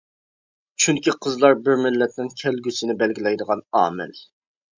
چۈنكى قىزلار بىر مىللەتنىڭ كەلگۈسىنى بەلگىلەيدىغان ئامىل.